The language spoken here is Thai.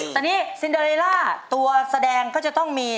แต่นี่ซินเดอเรล่าตัวแสดงก็จะต้องมี